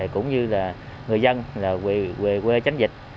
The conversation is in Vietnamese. cũng như là người dân quê chánh dịch